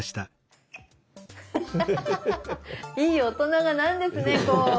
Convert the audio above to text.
いい大人がなるんですねこう。